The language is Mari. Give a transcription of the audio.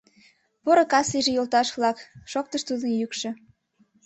— Поро кас лийже, йолташ-влак! — шоктыш тудын йӱкшӧ.